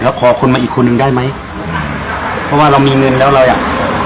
แล้วขอคนมาอีกคนนึงได้ไหมเพราะว่าเรามีเงินแล้วเราอ่ะ